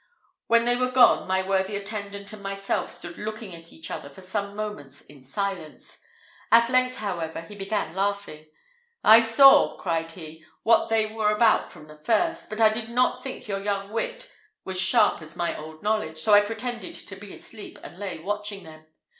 When they were gone, my worthy attendant and myself stood looking at each other for some moments in silence. At length, however, he began laughing. "I saw," cried he, "what they were about from the first, but I did not think your young wit was sharp as my old knowledge; so I pretended to be asleep, and lay watching them.